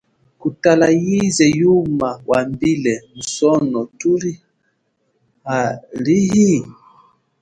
Kutala yize yuma wambile, musono thuli halihi?